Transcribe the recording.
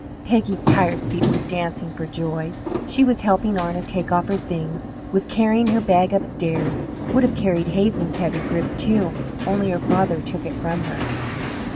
Peggy's tired feet were dancing for joy. She was helping Arna take off her things, was carrying her bag upstairs would have carried Hazen's heavy grip, too, only her father took it from her.